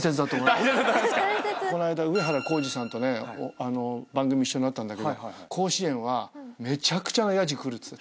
この間上原浩治さんとね番組一緒になったんだけど甲子園はめちゃくちゃなやじくるって言ってた。